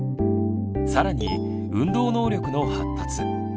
更に運動能力の発達。